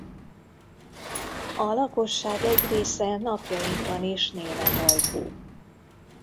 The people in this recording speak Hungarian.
A lakosság egy része napjainkban is német ajkú.